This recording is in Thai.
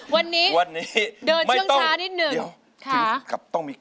วันนี้เดินช่วงช้านิดหนึ่งค่ะดีออก